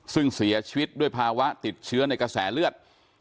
ซึ่งเสียชีวิตด้วยภาวะติดเชื้อในกระแสเลือด